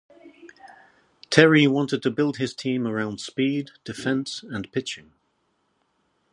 Terry wanted to build his team around speed, defense and pitching.